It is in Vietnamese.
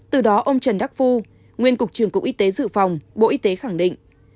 từ đó ông trần đắc phu nguyên cục trưởng cục y tế dự phòng bộ y tế khẳng định